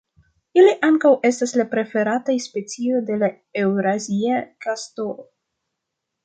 Ili ankaŭ estas la preferataj specioj de la eŭrazia kastoro.